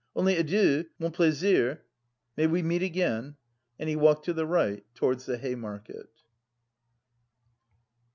Only adieu, mon plaisir, may we meet again." And he walked to the right towards the Hay Market.